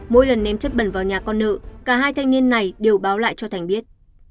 mỗi lần ném chất bẩn vào nhà con nợ cả hai thanh niên này đều báo lại cho thành biết